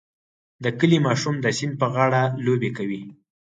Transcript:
د کلي ماشوم د سیند په غاړه لوبې کوي.